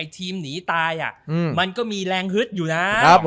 ทีมหนีตายมันก็มีแรงฮึดอยู่นะ